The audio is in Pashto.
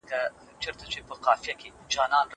که پانګونه ونشي اقتصادي پرمختګ نه کيږي.